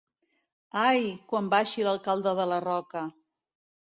Ai!, quan baixi l'alcalde de la Roca!